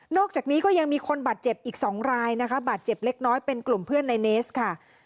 อกจากนี้ก็ยังมีคนบาดเจ็บอีก๒รายนะคะบาดเจ็บเล็กน้อยเป็นกลุ่มเพื่อนในเนสค่ะ